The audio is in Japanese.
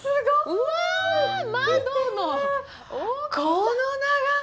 この眺め！